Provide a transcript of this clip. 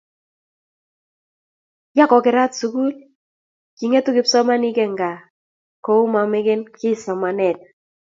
ya ko kerat sukul king'etu kipsomaninik eng' gaa ku ma meken kiy somanet